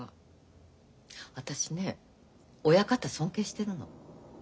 私ね親方尊敬してるの。